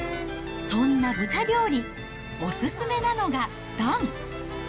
そんな豚料理、お勧めなのが、暖。